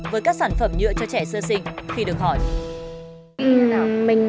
với các sản phẩm nhựa cho trẻ sơ sinh khi được hỏi